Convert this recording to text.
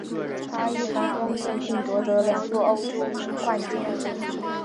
他一帆风顺并夺得两座欧洲冠军。